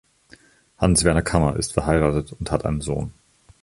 Hans-Werner Kammer ist verheiratet und hat einen Sohn.